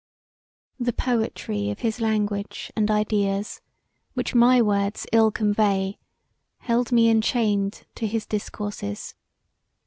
The poetry of his language and ideas which my words ill convey held me enchained to his discourses.